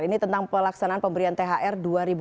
ini tentang pelaksanaan pemberian thr dua ribu dua puluh